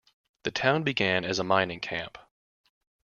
The town began as a mining camp.